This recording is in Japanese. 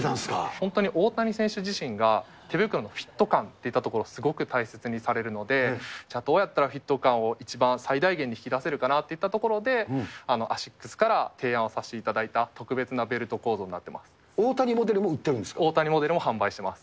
本当に大谷選手自身が、手袋のフィット感といったところをすごく大切にされるので、どうやったらフィット感を一番最大限に引き出せるかなといったところで、アシックスから提案をさせていただいた特別なベルト構造になって大谷モデルも売っているんで大谷モデルも販売してます。